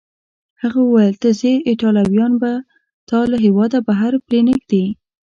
هغه وویل: ته ځې، ایټالویان به تا له هیواده بهر پرېنږدي.